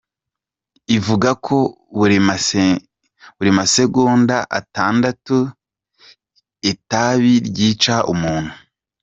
ivuga ko buri masegonda atandatu itabi ryica umuntu